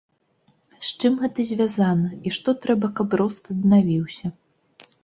З чым гэта звязана, і што трэба, каб рост аднавіўся?